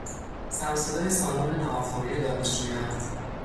سر و صدای سالن ناهارخوری دانشجویان